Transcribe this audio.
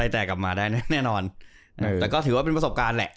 แต่ก็ถือว่าเป็นประสบการณ์แหละ